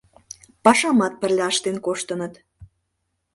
Пашамат пырля ыштен коштыныт.